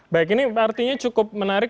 baik ini artinya cukup menarik